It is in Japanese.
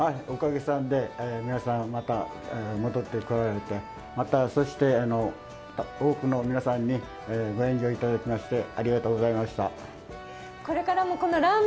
おかげさんで、皆さんまた戻ってこられて、そして、多くの皆さんにご援助いただきましてありがとうございました。